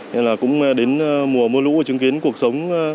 nên là cũng đến mùa mưa lũ chứng kiến cuộc sống